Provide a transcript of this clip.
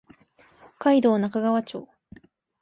北海道中川町